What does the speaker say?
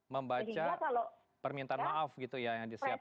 membaca permintaan maaf gitu ya yang disiapkan